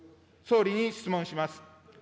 総理に質問します。